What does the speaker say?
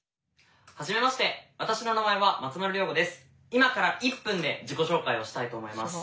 今から１分で自己紹介をしたいと思います。